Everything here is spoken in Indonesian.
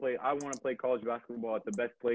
yang bisa aku kembali main aku akan suka